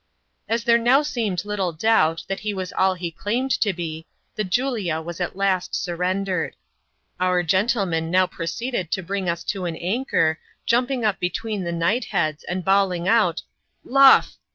As there now seemed little doubt that he was all he claimed to be, the Julia was at last surrendered. Our gentleman now proceeded to bring us to an anchor, jumping up between the knight heads, and bawling out " Luff!